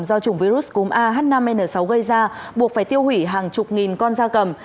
do chủng virus cúm a h năm n sáu gây ra buộc phải tiêu hủy hàng chục nghìn con gia cầm